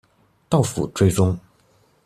到府追蹤